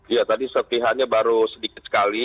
ya tadi serpihannya baru sedikit sekali